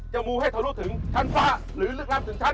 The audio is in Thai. มูให้ทะลุถึงชั้นฟ้าหรือลึกล้ำถึงชั้น